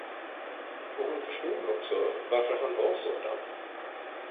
Och hon förstod också, varför han var sådan.